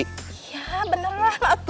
iya bener lah